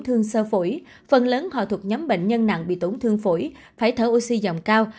thương sơ phổi phần lớn họ thuộc nhóm bệnh nhân nặng bị tổn thương phổi phải thở oxy dòng cao